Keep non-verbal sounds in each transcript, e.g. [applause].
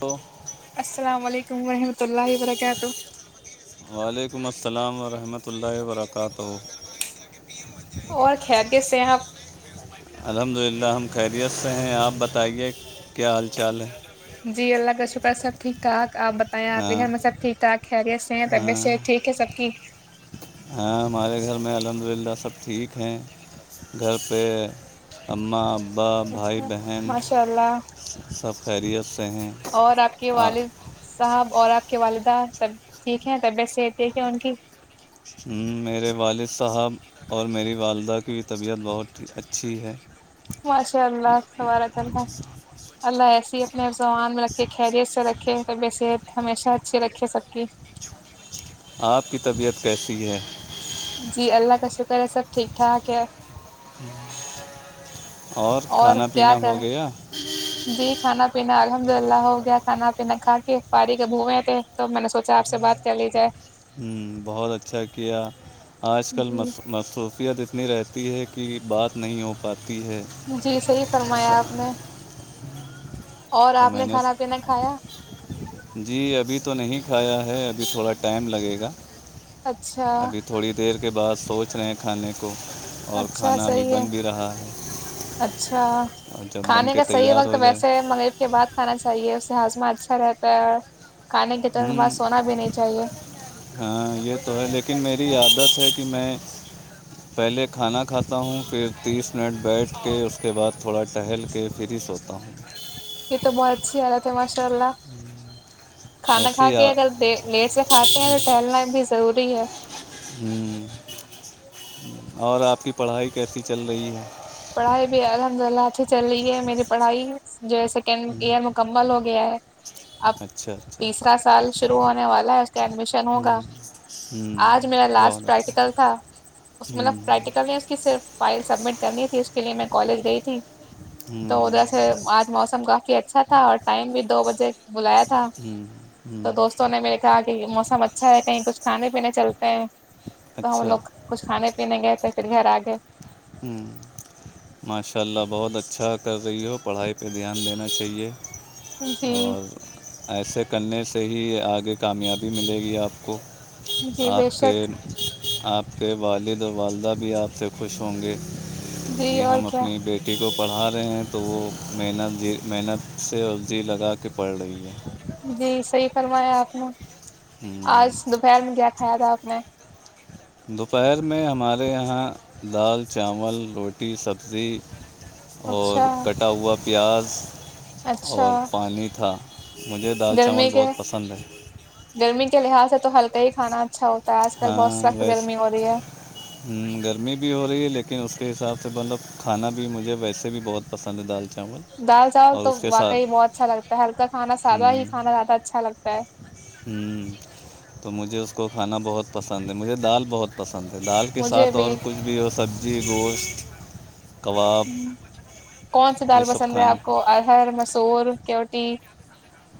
hello السلام علیکم ورحمۃ اللہ وبرکاتہ وعلیکم السلام ورحمۃ اللہ وبرکاتہ اور خیر کیس سے ہیں آپ الحمد للہ ہم خیریت سے ہیں آپ بتائیے کیا حال چال ہے جی اللہ کا شکر سابٹھییک ٹھاک آپتائیں آخری ہاں گھر میں سب ٹھیک ٹھاک خیریت سے ہیں طبیعت ہاں سے ٹھیک ہے سب کی ہاں ہمارے گھر میں الحمد للہ سب ٹھیک ہیں گھر پہ اماں با بھائی اچھا بہن ماشاء اللہ سب خیریت سے ہیں اور آپ کے آ والد صاحب اور آپ کے والدہب ٹھیک ہیں طبیعت صح یک ہے ان کی ہ میرے والد صاحب اور میری والدہ کی طبیعت بہت اچھی ہے ماشاء اللہ وارات اللہ اللہ ایسی ہی اپنے زبان میں رکھے خیریت سے رکھے طبی صحت ہمیشہ اچھی رکھے سب کی آپ کی طبیعت کیسی ہے جی اللہ کا شکر ہے سب ٹھیک ٹھاک ہے اور [unintelligible] اور کیا پینا کر ہو گیا جی کھانا پینا الحمد للہ ہو گیا کھانا پینا کھا کے باڑی کے بھوئے تھے توب میں نے سوچا آپ سے بات کر لی جائے ہوں بہت اچھا کیا آج کل م جی مصروفیت اتنی رہتی ہے کہ بات نہیں ہو پاتی ہے جی صحیح فرمایا آپ نے اور تو آپ میں نے کھانا پینا کھایا جی ابھی تو نہیں کھایا ہے ابھی تھوڑا ٹائم لگے گا اچھا ابھی تھوڑی دیر کے بعد سوچ رہے ہیں کھانے کو اور اچھا کھانا بھی صحیح ہے بن بھی رہا ہے [unintelligible] اچھا اور جب بن کھانے کے کا صحیح تیار وقت ہو جائے ویسے ہے مگر کے بعد کھانا چاہیے اس سے ہاضما اچھا رہتا ہے اور کھانے کے تورن ہوں بعد سونا بھی نہیں چاہیے [unintelligible] ہاں یہ تو ہے لیکن میری عادت ہے کہ میں [unintelligible] پہلے کھانا کھاتا ہوں پھر تیس منٹ بیٹھ کے اس کے بعد تھوڑا ٹہل کے پھر ہی سوتا ہوں [unintelligible] یہ تو بہت اچھی حالت ہے ماشاء اللہ کھانا کھا ایسی آ... کے اگر لیٹ سے کھات ہیں تو ٹہلنا بھی ضروری ہے [unintelligible] ہ اور آپ کی پڑھائی کیسی چل رہی ہے [unintelligible] پڑھائی بھی الحمد للہ اچھی چل رہی ہے میری پڑھائی جیسا یہار مکمل ہو گیا ہے [unintelligible] اب اچھا اچھا تیسرا سال شروع ہونے والا ہے اس کے ایڈمیشن ہوگا ہوں آج میرا لاسٹ بہت اچھا پریکٹیکل تھا [unintelligible] اس مطلب ہوں پریکٹیکل نہیں اس کی صرف فائل سبمٹ کرنی اس کے لیے میں کالج گئی تھی ہوں تو ادھر سے آ [unintelligible] موسم کافی اچھا تھا اور ٹائم بھی دو بجے بلایا تھا ہوں ہوں تو دوستوں نے میرے [unintelligible] ج کہ موسم اچھا ہے کہیں کچھ کھانے پینے چلتے ہیں تو ہم اچھا لوگ [unintelligible] کچھ کھانے پینے گئے تھے پھر گھر آ گئے ماشاء اللہ بہت اچھا کر رہی ہو پڑھائی پہ دھیان دینا چاہیے جی اور ایسے کرنے سے ہی آگے کامیابی ملے گی آپ کو جی آپ بے کے شک آپ کے والد و والدہ بھی آپ سے خوش ہوں گے جی یہ اور ہم کیا اپنی بیٹ لکٹی کو پڑھا رہے ہیں تو وہ محنت محنت سے اوررزی لگا کے پڑھ رہی ہے جی صحیح فرمایا آپ نے آج دوپہر میں کیا کھایا تھا آپ نے دوپہر میں ہمارے یہاں دال چاول روٹی سبزی اور اچھا کٹا ہوا پیاز اچھا اور پانی تھا مجھے دال چاول گرمی کے بہت پسند ہے گرمی کے لحاظ سے تو ہلکا ہی کھانا اچھا ہوتا ہے آج کل بہت سخت گرمی ہو رہی ہے ہ گرمی بھی ہو رہی ہے لیکن اس کے حساب سے مطلب کھانا بھی مجھے ویسے بھی بہت پسند ہے دال چاول دال چاول اور تو اس کے واقعی بہت اچھا لگتا ہے ہلکا کھانا سادہ ہی کھانا زیادہ اچھا لگتا ہے ہوں تو مجھے اس کو کھانا بہت پسند ہے مجھے دال بہت پسند ہے دال کے ساتھ اور کچھ بھی ہو سبزی گوشت کباب ہم، کون سی یہ دال سب پسند ہے کھانا آپ کو ارہر مسور کیوٹی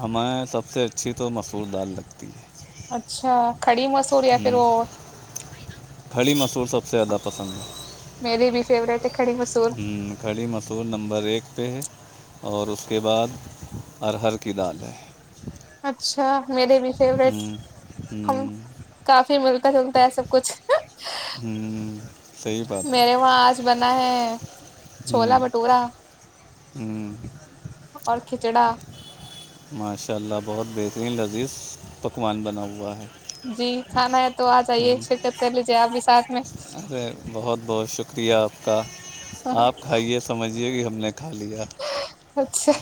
ہمیں سب سے اچھی تو مسور دال لگتی ہے اچھا کھڑی مسور یا پھر ہوں وہ کھڑی مسور سب سے زیادہ پسند ہے میری بھی فیوریٹ ہے کڑی مسور کھڑی مسہور نمبر ایک پہ ہے اور اس کے بعد ارہر کی دال ہے اچھا میرے بھی فورٹ ہوں ہم ہوں کافی ملتا جلتا ہے سب کچھ ہوں صحیح بات ہے میرے وہاں آج بنا ہے ہوں چھولا بھٹورا ہوں اور کھچڑا ماشاء اللہ بہت بہترین لذیذ پکوان بنا ہوا ہے جی کھانا ہے تو آ جائیے ہوں شرکت کر لیجیے آپ بھی ساتھ میں ارے بہت بہت شکریہ آپ کا آپ کھائیے سمجھیے کہ ہم نے ککھا لیا اچھا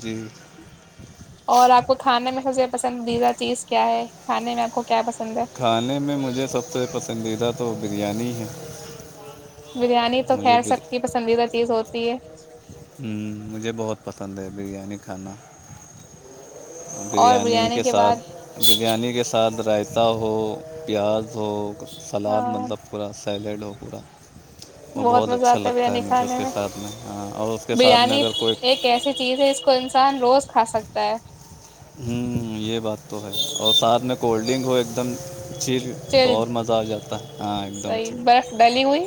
جی اور آپ کو کھانے میں سب سے پسند دیزرا چیز کیا ہے کھانے میں آپ کو کیا پسند ہے کھانے میں مجھے سب سے پسندیدہ تو بریانی ہے بریانی تو مجھے خیر سب بر... کی پسندیدہ چیز ہوتی ہے ہ مجھے بہت پسند ہے بریانی کھانا بریانی کے ساتھ بریانی کے ساتھ رائتتا ہو پیاز ہو سلاد ہاں مطلب پورا سیلیڈ ہو پورا وہ بہت مزہ اچھا آتا لگتا ہے بریانی مجھے اس کھانے کے ساتھ میں ہاں اور اس کے ساتھ میں بریانی اگر کوئی ایک ایسی چیز ہے جس کو انسان روز کھا سکتا ہے ہوں یہ بات تو ہے اور ساتھ میں کولڈ ڈرنک ہو ایک دم چھیل جلد چل صحیح برف ڈلی ہوئی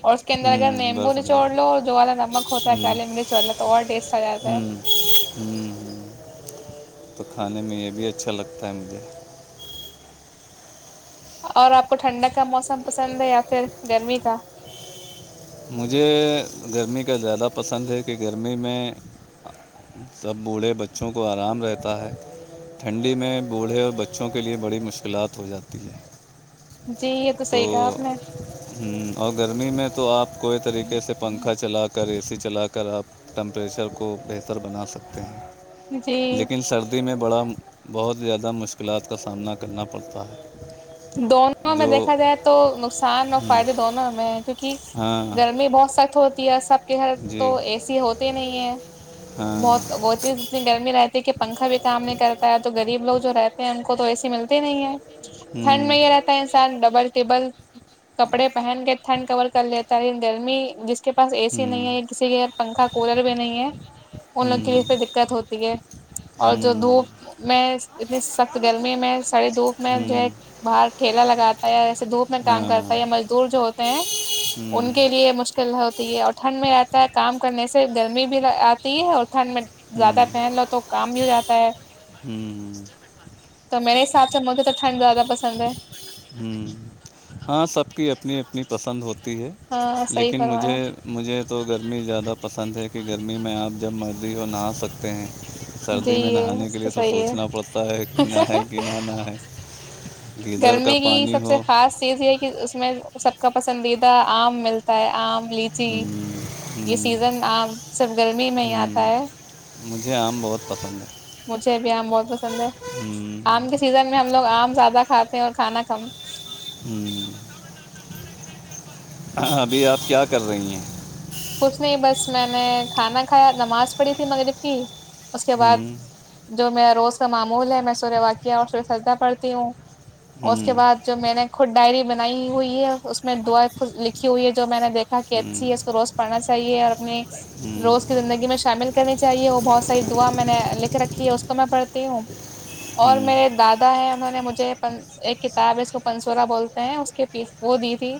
اور اس کے اندر اگر ہوں ممبو برف ڈالا نچوڑ لو جو والا نمک ہوتا ہے ہوں کالی مرچ والا تو اور ٹیسٹ آ جاتا ہے ہوں ہوں تو کھانے میں یہ بھی اچھا لگتا ہے مجھے اور آپ کو ٹھنڈک کا موسم پسند ہے یا پھر گرمی کا مجھے گرمی کا زیادہ پسند ہے کہ گرمی میں سب بوڑھے بچوں کو آرام رہتا ہے ٹھنڈی میں بوڑھے اور بچوں کے لیے بڑی مشکلات ہو جاتی ہے جی یہ تو صحیح کہا آپ نے ہوں اور گرمی میں تو آپ کوئی طریقے سے پنکھا چلا کر اے سی چلا کر آپ ٹمپریچر کو بہتر بنا سکتے ہیں جی لیکن سردی ی میں بڑا بہت زیادہ مشکلات کا سامنا کرنا پڑتا ہے دونوں میں جو دیکھا جائے تو نقصان اور فائدے دونوں میں ہیں کیونکہ ہاں گرمی بہت سخت ہوتی ہے سب کے گھر جی تو اے سی ہوتے ہی نہیں ہے ہاں بہت وہ اتنی جنی گرمی رہتی ہے کہ پنکھا بھی کام نہیں کرتا ہے تو غریب لوگ جو رہتے ہیں ان کو تو ایسی ملتی نہیں ہے تھھنڈ ہوں میں رہات انسان ڈبل ٹیبل کپڑے پہن کے تھنڈ کور کر لیتا ہے گرمی جس کے پاس اے سی نہیں ہوں ہے کسی کے پنکھا کولر بھی نہیں ہے ان لوگ کی بھی پہ دقت ہوتی ہے ہوں اور جو ہوں دھوپ میں اتنی سخت گرمی میں ساری دھوپ میں جو ہے ہوں باہر ٹھیلا لگاتا ہے یا اییسے دھوپ میں کام ہاں کرتا ہے یا مزدور جو ہوتے ہیں ہوں [unintelligible] ان کے لیے مشکل ہوتی ہے اور ٹھنڈ میں رہتا ہے کام کرنے سے گرمی بھی آتی ہے اور ٹھنڈ میں ہوں زیادہ پہن لو تو کام ہی ہو جاتا ہے ہوں تو میرے حساب سے مجھے تو ٹھنڈ زیادہ پسند ہے ہ ہاں سب کی اپنی اپنی پسند ہوتی ہے ہاں صحیح لیکن مجھے فرمایا مجھے تو گرمی زیادہ پسند ہے کہ گرمی میں آپ جب مرضی ہو نہا سکتے ہیں جی سردی میں یہ نہانے کے لیے تو صحیح سوچنا پڑتا ہے کہ نہ ہے کہ نہ نہ ہے گدر کا یہ پانی سب سے ہو خاص چیز یہ کہ اس میں سب کا پسندیدہ آم ملتا ہے آم الچی ہوں یہ ہوں سیزن آپ سب گرمی میں ہی ہوں آتا ہے مجھے آم بہت پسند ہے مجھے ا بھی آم بہت پسند ہے ہوں آم کے سیزن میں ہم لوگ آم زیادہ کھاتے ہیں اور کھانا کم ہ ابھی آپ کیا کر رہی ہیں کچھ نہیں بس میں نے کھانا کھایا نماز پڑھی تھی مغرب کی اس کے بعد ہوں جو میرا روز کا معمول ہے میں سورہ واقعہ اور سور سجنا پڑھتی ہوں اور اس کے ہوں بعد جو میں نے خود ڈائری بنائی ہوئی ہے اس میں دع لکھی ہوئی ہے جو میں نے دیک کہ ہوں اچھی ہے س روز پڑھنا چاہیے اور ہوں ہوں اپنےو اس کی زندگی میں شامل کرنی چاہیے وہ بہت ساری دعا میں نے لکھ رکھی ہے اس تو میں پڑھتی ہوں اور میرے ہوں دادا ہیں انہوں نے مجھے ایک کتاب ہے اس کو پنسورا بولتے ہیں اس کے پیس وہ دی تھی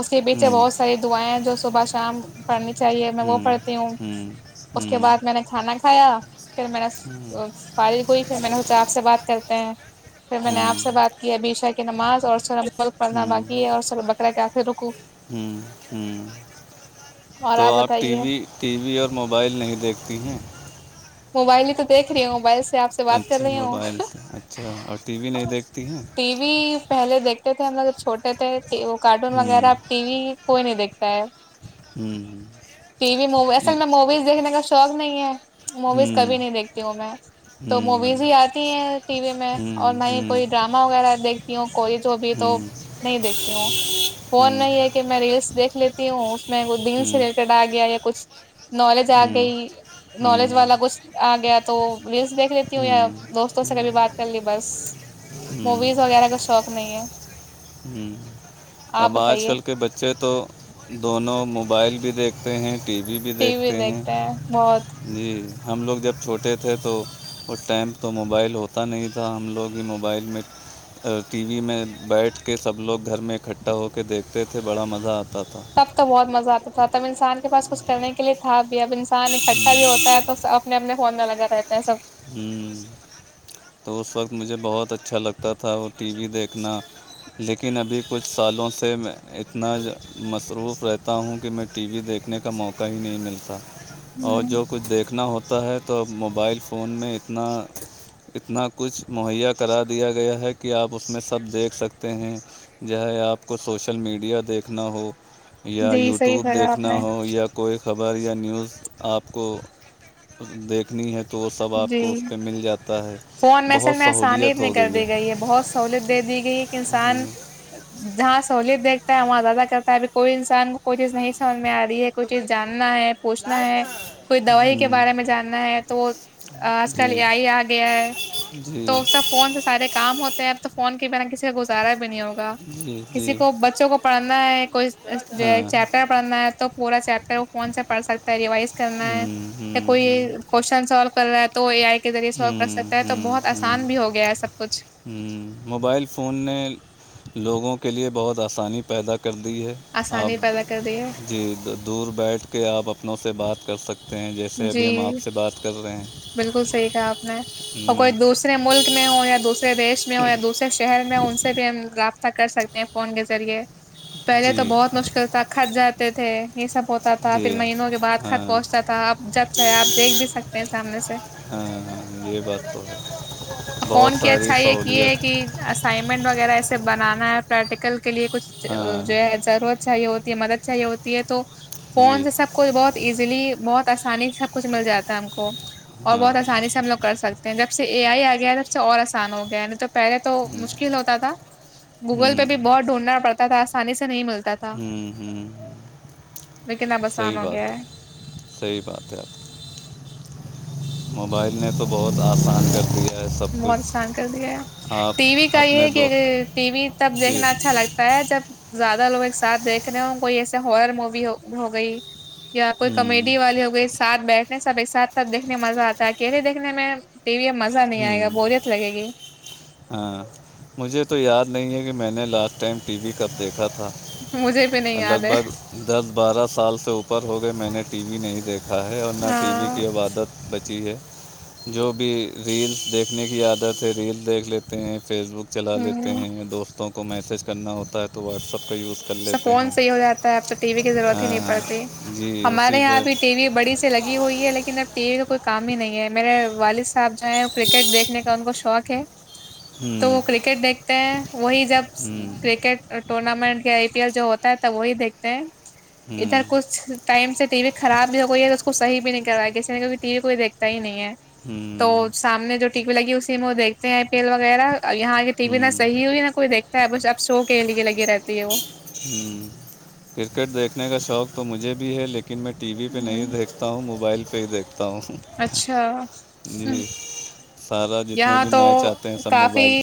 اس کے پیچھے بہت ساری دعائیں ہیں جو صبح شام پڑھنی چاہیے میں وہ ہوں پڑھتی ہوں اس کے بعد میں نے کھانا کھایا پھر میں نے فار کوئی پ میں نے سوچا آپ سے بات کرتے ہیں پھر میں نے آپ سے ہوں بات کیا ابشا کی نماز اور س پڑھنا باقی ہے اور س بکرا کے آ کے رکو ہ ہ اور تو آپ ٹی بتائیے وی [unintelligible] ٹی وی اور موبائل نہیں دیکھتی ہیں موبائل ہی تویکھ رہی ہو موبائل سے آپ سے بات کر اچھا رہی موبائل سے اچھا اور ٹی وی نہیں دیکھتی ہیں ہوںٹی و و پہلے دیکھتے تھے ہم لگ چھوٹے تھے کارٹون وغیرہ ہوں اب ٹی وی کوئی نہیں دیکھتا ہے ہوں ٹی وی موی اصل میں موویز دیکھنے کا شوق نہیں ہے ہوں موویز کبھی ہوں نہیں دیکھتی ہوں میں تو ہوں موویز ہی آتی ہیں ٹی وی میں اور ہوں ہوں نہ ہی ہوں کوئی ڈرام ا وغیرہ دیکھتی ہوں کوئی تو ابھی ہوں تو ہوں نہیں دیکھتی ہوں فون نہیں ہے کہ میں ریلس دیکھ لیتی ہوں اس میں کو دن سے ریلیٹڈ آ گیا یا کچھ نالج آ گئی نالج والا کچھ آ گیا تو ریلس دیکھ لیتی ہوں یا دوستوں سے کبھی بات کر لی بس موویز وغیرہ کا شوق نہیں ہے ہ آپ اب آج بتائیے کل کے بچے تو دونوں موبائل بھی دیکھ تے ہیں ٹی وی بھی ٹی وی دیکھتے ہیں بہت جی ہم لوگ جب چھوٹے تھے تو اس ٹائم تو موبائل ہوتا نہیں تھا ہم لوگ ہی موبائل میں ٹی وی میں بیٹھ کے سب لوگ گھر میں اکٹھا ہو کے دیکھتے تھے بڑا مزہ آتا تھا تب تو بہت مزہ آتا تھا تب انسان کے پاس کچھ کرنے کے لیے تھا بھی اب انسان اکٹھا بھی ہوتا ہے تو اپنے اپنے فون میں لگا رہتا ہے سب ہ تو اس وقت مجھے بہت اچھا لگتا تھا وہ ٹی وی دیکھنا لیکن ابھی کچھ سالوں سے میں اتنا مصروف رہتا ہوں کہ میں ٹی وی دیکھنے کا موقع ہی نہیں ملتا اور جو کچھ دیکھنا ہوتا ہے تو موبائل فون میں اتنا اتنا کچھ مہیا کرا دیا گیا ہے کہ آپ اس میں سب دیکھ سکتے ہیں جاہے آپ کو سوشل میڈیا دیکھنا ہو یا جی صحیح یوٹیوب کرا آپ دیکھنا نے ہو یا کوئی خبر یا نیوز آپ کو دیکھنی ہے تو وہ سب آپ جی کو اس پہ مل جاتا ہے بہت سہولیت ہو گئی ہے یہ بہت سہولت دے دی گئی کہ جی انسان جہاں سہولیت دیکھتا ہے وہاں زیادہ کرتا ہے ابھی کوئی انسان کو کوئی چیز نہیں سمجھ میں آ رہی ہے کوئی تو چیز بھائی جاننا ہے پوچھنا لائٹ ہے کہاں کوئی دوائی کے ہوں بارے میں جاننا ہے تو آج کل جی یہ ہی آ گیا ہے جی تو سب فون سے سارے کام ہوتے ہیں اب تو فون کے بنا کسی کا گزارا بھی نہیں ہوگا جی کسی جی کو بچوں کو پڑھنا ہے کوئی ہاں چیپٹر پڑھنا ہے تو پورا چیپٹر وہ فون سے پڑھ سکتا ریوائز کرنا ہے ہوں یا ہوں کوئی ہوں کوشچن سالو کر رہا ہے تو اے آئی کے ذریعے سولو کر ہوں سکتا ہے تو ہوں بہت ہوں آسان بھی ہو گیا ہے سب کچھ موبائل فون نے لوگوں کے لیے بہت آسانی پیدا کر دی ہے آپ آسانی پیدا کر د ہے جی دور بیٹھ کے آپ اپنوں سے بات کر سکتے ہیں جیسے جی ابھی ہم آپ سے بات کر رہے ہیں بالکل صحیح کہا آپ نے اور کوئی دوسرے ملک میں ہو یا دوسرے دیش میں ہو یا دوسرے شہر میں ہو ان سے بھی ہم رابطہ کر سکتے ہیں فون کے ذریعے پہلے تو جی بہت مشکل تھا کت جاتے تھے یہ سب ہوتا تھا پھر جی مہینوں کے بعد کط ہاں پہنچتا تھا آپ جب چاہے آپ دیکھ بھی سکتے ہیں سامنے سے ہاں ہاں یہ بات تو ہے بہت فون کی ساری اچھائی ایک یہ سہولیت ہے کہ اسائنمنٹ وغیرہ ایسے بنانا ہے پریکٹیکل کے لیے کچھ ہاں جو ہے ضرورت چاہیے ہوتی ہے مدد چاہیے ہوتی ہے تو فون جی سے سب کو بہت ایزیلی بہت آسانی سے سب کچھ مل جاتا ہے ہم کو اور ہاں بہت آسانی سے ہم لوگ سکتے ہیں جب سے اے آئی آ گیا ہے تب سے اور آسان ہو گیا ہے نہیں توب پہلے تو مشکل ہوتا تھا گوگل پہ ہوں بھی بہت ڈھونڈنا پڑتا تھا آسانی سے نہیں ملتا تھا ہوں ہوں ہ لیکن اب صحیح آسان ہو گیا بات ہے سی بات ت آ موبائل نے تو بہت آسان کر دیا ہے سب بہت کچھ آسان کر دیا آپ ٹی وی کا یہ اپنے ہے کہ دوست ٹی وی تب جی دیکھنا اچھا لگتا پ جب زیادہ لوگ ایک ساتھ دیکھنے ہوں کوئی ایسے ہارر مووی ہو گئی یا کوئی ہوں کامیڈی والے ہو گئے سھ بیٹھنے سب ایک ساتھ سب دیکنے مزہ آتا ہے کیلے دھنے میں ٹی وی میں مزہ نہیں آئے ہوں گا بوریت لگے گی ہاں مجھے تو یاد نہیں ہے کہ میں نے لاسٹ ٹائم ٹی وی کب دیکھا تھا مجھے بھی نہیں یاد لگ ہے بھگ دس بارہ سال سے اوپر ہو گئے میں نے ٹی وی نہیں دیکھا تھاا ہے اور نہ ٹی وی ہاں کی عبادت بچی ہے جو بھی ریلس دیکھنے کی عادت ہے ریل دیکھ لیتے ہیں فیس بک چلا لیتے ہوں ہیں دوستوں کو کو میسج کرنا ہوتا تو واٹس ایپ کا یوز کر لیتے فون ہیں سےی ہو جاتا ہے اب تو ٹی وی کی ضرورت ہی ہاں نہیں ہاں پڑتی جی ہمارے اسی یہاں پہ بھی ٹی وی بڑی سے لگی ہوئی ہے لیکن اب تییر کا کوئی کام ہی نہیں ہے میرے والد صاحب جو ہیں کرکٹ دیکھنے کا ان کو شوق ہے تو ہوں وہ کرکٹ دیکھتے ہیں وہی جب ہوں کرکٹ ٹورنامنٹ کے جو ہوتا ہے توب وہی دیکھتے ہیں ادھر ہوں کچھ ٹائم سے ٹی وی خراب بھی ہو گئی ہے تو اس کو صحی بھی نہیں کر رہا ہے کسیھی ٹی وی کوئی دیکتا ہی نہیں ہے تو ہوں سامنے جو ٹکی لگی اسی میں وہ دیکھ آئی پی ایل وغیرہ یہاں کی ٹی وی نہا ہوں صی ہوئی نہ کوئی دیکھتا ہے بس اب شو کے لیے لگی رہتا [unintelligible] ہ کرکٹ دیکھنے کا شوق تو مجھے بھی ہے لیکن میں ٹی وی پہ نہیں ہ دیکھتا دیکھتا ہوں موبائل پہ ہی دیکھتا ہوں اچھا جی سارا جتنے یہاں بھی تو میچ آتے ہیں سب کافی موبائل پہ